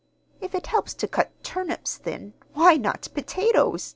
"If it helps to cut turnips thin, why not potatoes?"